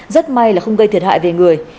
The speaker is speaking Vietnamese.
rất may là không gây thiệt hại về người